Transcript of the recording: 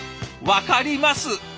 分かります！